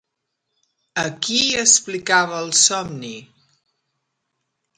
A qui explicava el somni?